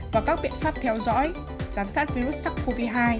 và các biện pháp theo dõi giám sát virus sars cov hai